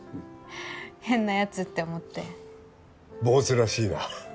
変なやつって思って坊主らしいな